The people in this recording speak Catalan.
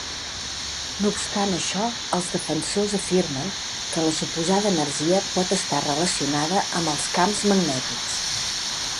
No obstant això, els defensors afirmen que la suposada energia pot estar relacionada amb els camps magnètics.